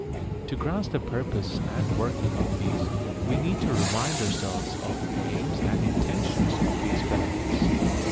To grasp the purpose and working of these we need to remind ourselves of the aims and intentions of the experiments.